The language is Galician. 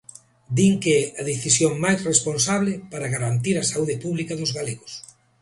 Din que é a decisión máis responsable para garantir a saúde pública dos galegos.